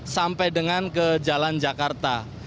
sampai dengan ke jalan jakarta